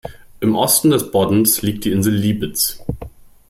Im Osten des Boddens liegt die Insel Liebitz.